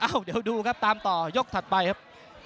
เดี๋ยวดูครับตามต่อยกถัดไปครับ